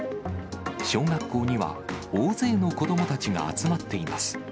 小学校には、大勢の子どもたちが集まっています。